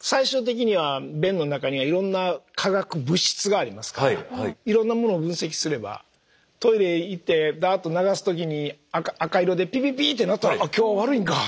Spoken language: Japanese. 最終的には便の中にはいろんな化学物質がありますからいろんなものを分析すればトイレ行ってダーッと流す時に赤色でピピピって鳴ったらあ今日悪いんかと。